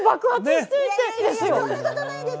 いやいやそんなことないです。